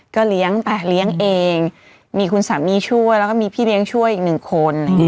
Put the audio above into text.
ก็เลี้ยงไปเลี้ยงเองมีคุณสามีช่วยแล้วก็มีพี่เลี้ยงช่วยอีกหนึ่งคน